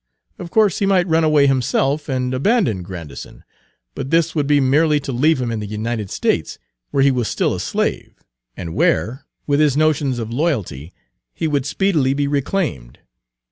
Of course he might run away himself, and abandon Grandison, but this would be merely to leave him in the United States, where he was still a slave, and Page 190 where, with his notions of loyalty, he would speedily be reclaimed.